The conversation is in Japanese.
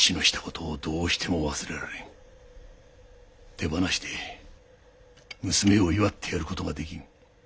手放しで娘を祝ってやる事ができぬ。